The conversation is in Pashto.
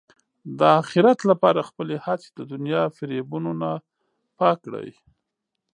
د اخرت لپاره خپلې هڅې د دنیا فریبونو نه پاک کړئ.